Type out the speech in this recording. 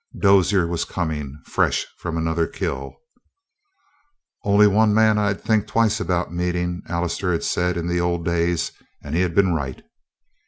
Dozier was coming, fresh from another kill. "Only one man I'd think twice about meeting," Allister had said in the old days, and he had been right.